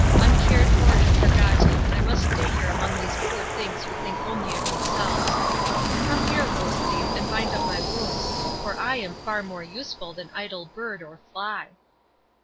Uncared for and forgotten, I must stay here among these poor things who think only of themselves. Come here, Rose Leaf, and bind up my wounds, for I am far more useful than idle bird or fly."